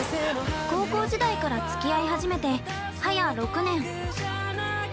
◆高校時代からつき合い始めてはや６年。